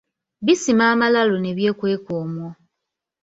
Bisima amalaalo ne byekweka omwo.